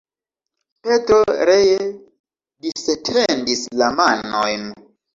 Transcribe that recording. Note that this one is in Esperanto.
Petro ree disetendis la manojn.